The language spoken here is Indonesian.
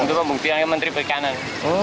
untuk pembuktian ke menteri pekanan